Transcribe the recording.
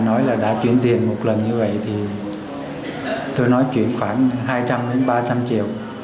nói là đã chuyển tiền một lần như vậy thì tôi nói chuyển khoảng hai trăm linh đến ba trăm linh triệu